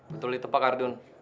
betul itu pak ardun